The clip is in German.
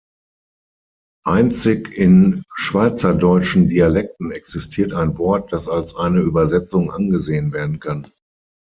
Einzig in Schweizerdeutschen Dialekten existiert ein Wort, das als eine Übersetzung angesehen werden kann.